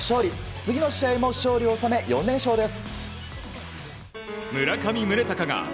次の試合も勝利を収め４連勝です。